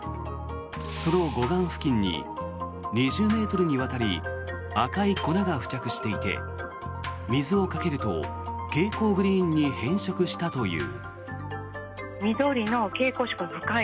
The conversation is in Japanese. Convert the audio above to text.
その護岸付近に２０ｍにわたり赤い粉が付着していて水をかけると蛍光グリーンに変色したという。